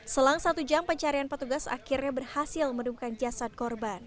selang satu jam pencarian petugas akhirnya berhasil menemukan jasad korban